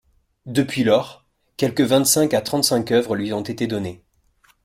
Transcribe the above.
Depuis lors, quelque vingt-cinq à trente-cinq œuvres lui ont été données.